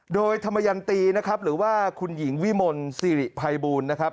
โดยธรรมยันตีนะครับหรือว่าคุณหญิงวิมลสิริภัยบูลนะครับ